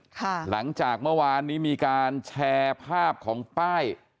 หลังจากเมื่อวานนี้มีการแชร์ภาพของป้าย